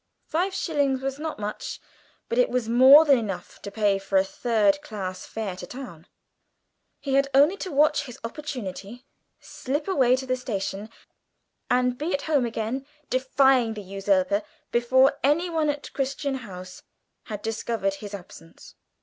Five shillings was not much, but it was more than enough to pay for a third class fare to town. He had only to watch his opportunity, slip away to the station, and be at home again, defying the usurper, before anyone at Crichton House had discovered his absence.